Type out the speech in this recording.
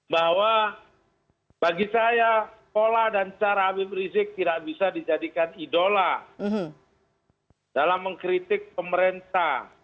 bahwa bagi saya pola dan cara habib rizik tidak bisa dijadikan idola dalam mengkritik pemerintah